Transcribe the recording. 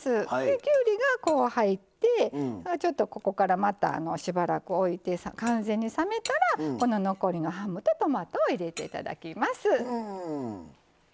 きゅうりがこう入ってここからまたしばらく置いて完全に冷めたら残りのハムとトマトを入れていただきます。